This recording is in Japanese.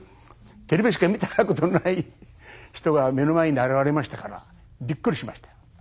テレビしか見たことない人が目の前に現れましたからびっくりしました。